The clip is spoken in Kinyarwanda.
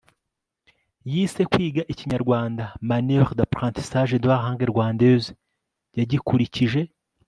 yise kwiga ikinyarwanda, manuel d'apprentissage de la langue rwandaise. yagikurikije